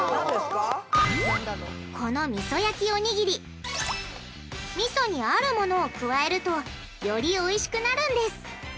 このみそ焼きおにぎりみそにあるものを加えるとよりおいしくなるんです。